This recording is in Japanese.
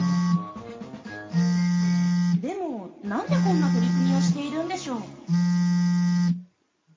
でも何でこんな取り組みをしているんでしょう？